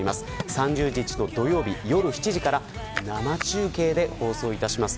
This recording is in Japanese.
３０日の土曜日、夜７時から生中継で放送します。